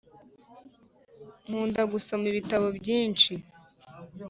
nkunda gusoma ibitabo byinshi